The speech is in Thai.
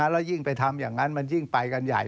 แล้วยิ่งไปทำอย่างนั้นมันยิ่งไปกันใหญ่